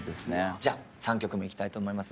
３曲目いきたいと思います。